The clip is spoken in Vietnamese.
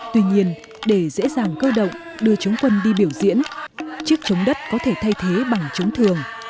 tuy nhiên để dễ dàng cơ động đưa chống quân đi biểu diễn chiếc chống đất có thể thay thế bằng chống thường